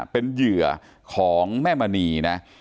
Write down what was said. เป็นเหยื่อของแม่มณีนะ